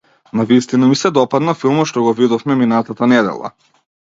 Навистина ми се допадна филмот што го видовме минатата недела.